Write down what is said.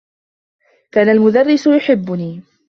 كان المدرّس يحبّني.